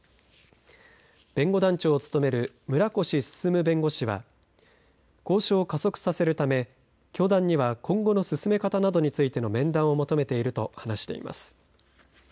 弁護団長を務める村越進弁護士は交渉を加速させるため教団には今後の進め方などについての面談を求めていると話しています。